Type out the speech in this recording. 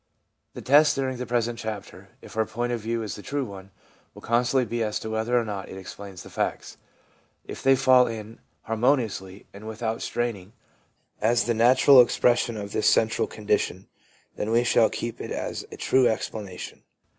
The test during the present chapter, if our point of view is the true one, will constantly be as to whether or not it explains the facts ; if they fall in harmoniously and without straining, as the natural expression of this central condition, then we shall keep it as a true ex planation.